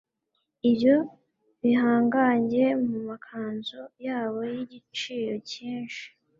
Ibyo bihangange, mu makanzu yabo y’igiciro cyinshi,